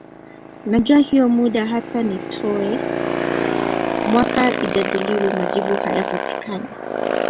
Najua hiyo mada hata nitowe mwaka ijadiliwe majibu hayatapatikana